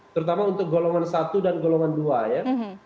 terutama untuk golongan satu dan golongan dua ya